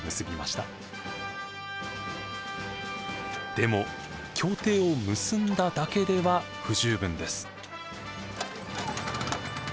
でも協定を結んだだけでは不十分です。